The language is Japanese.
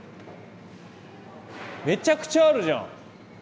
めちゃくちゃあるじゃん！